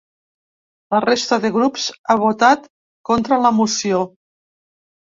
La resta de grups han votat contra la moció.